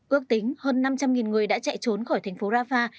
ước tính hơn năm trăm linh người đã chạy trốn khỏi thành phố rafah